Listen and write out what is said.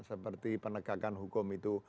seperti penegakan hukum itu